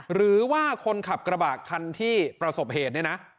หรือว่าคนขับกระบะคันที่ประสบเหตุเนี่ยนะ